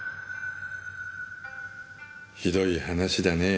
ひどい話だねぇ。